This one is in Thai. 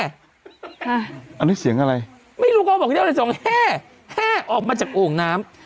ค่ะอันนี้เสียงอะไรไม่รู้ก็บอกแห้แห้ออกมาจากโอ่งน้ำ